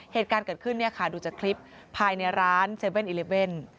เหตุการณ์เกิดขึ้นดูจากคลิปภายในร้าน๗๑๑